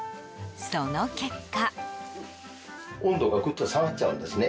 その結果。